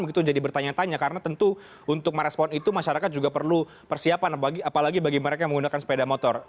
begitu jadi bertanya tanya karena tentu untuk merespon itu masyarakat juga perlu persiapan apalagi bagi mereka yang menggunakan sepeda motor